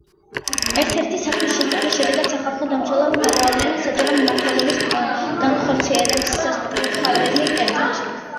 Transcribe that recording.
ერთ-ერთი საქმის შესწავლის შედეგად, სახალხო დამცველმა გამოავლინა საჯარო მმართველობის განხორციელების სისტემური ხარვეზი. კერძოდ,